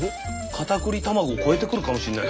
カタクリ卵を超えてくるかもしれない。